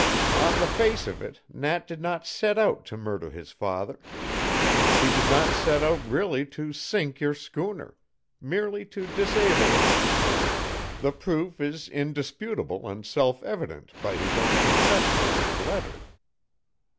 On the face of it Nat did not set out to murder his father; he did not set out really to sink your schooner merely to disable it; the proof is indisputable and self evident by his own confession and letter.